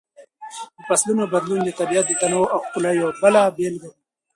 د فصلونو بدلون د طبیعت د تنوع او ښکلا یوه بله بېلګه ده.